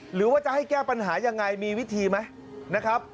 หรือว่าจะให้แก้ปัญหายังไงมีวิธีไหมนะครับ